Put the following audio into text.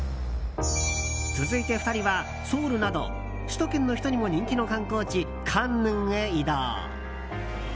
続いて２人は、ソウルなど首都圏の人にも人気の観光地カンヌンへ移動。